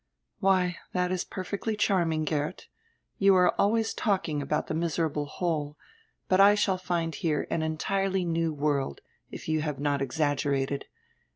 "Why, diat is perfecdy charming, Geert. You are always talking about die miserable hole, but I shall find here an entirely new world, if you have not exaggerated.